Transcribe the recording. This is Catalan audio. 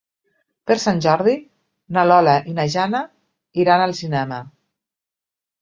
Per Sant Jordi na Lola i na Jana iran al cinema.